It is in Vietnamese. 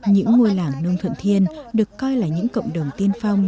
những ngôi làng nông thuận thiên được coi là những cộng đồng tiên phong